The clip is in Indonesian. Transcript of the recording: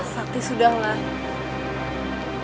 sati sudah lah